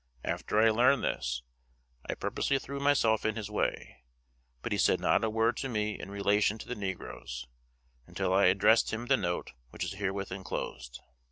After I learned this, I purposely threw myself in his way; but he said not a word to me in relation to the negroes, until I addressed him the note which is herewith enclosed.